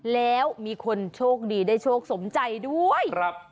แล้วมีคนโชคดีได้โชคสมใจด้วย